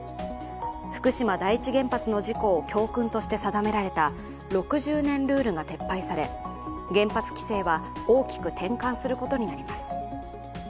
福島第一原発の事故を教訓として定められた６０年ルールが撤廃され、原発規制は大きく転換することになります。